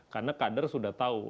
karena kader sudah tahu